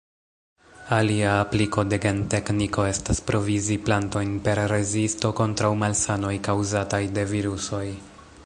Alia apliko de gentekniko estas provizi plantojn per rezisto kontraŭ malsanoj kaŭzataj de virusoj.